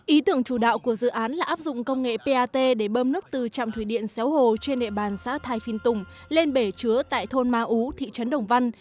ý tưởng chủ đạo của dự án là áp dụng công nghệ pat để bơm nước từ trạm thủy điện xéo hồ trên địa bàn xã thải phìn tùng lên bể chứa tại thôn ma ú thị trấn đồng văn